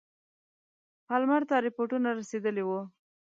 پالمر ته رپوټونه رسېدلي وه.